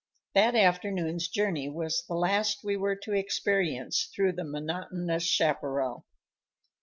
That afternoon's journey was the last we were to experience through the monotonous chaparral.